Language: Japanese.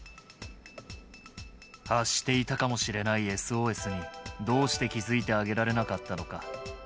発していたかもしれないＳＯＳに、どうして気付いてあげられなかったのか。